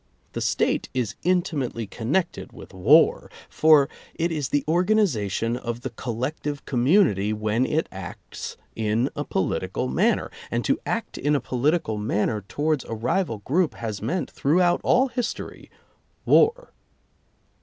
The State is in timately connected with war, for it is the organi zation of the collective community when it acts in a political manner, and to act in a political man ner towards a rival group has meant, throughout all history — war.